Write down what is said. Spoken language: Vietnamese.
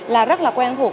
là rất là quen thuộc